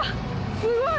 すごい！